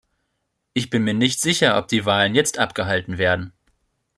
Ich bin mir nicht sicher, ob die Wahlen jetzt abgehalten werden.